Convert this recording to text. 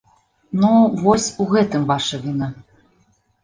Ну, вось, у гэтым ваша віна.